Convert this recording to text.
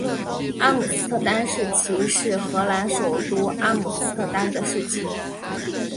阿姆斯特丹市旗是荷兰首都阿姆斯特丹的市旗。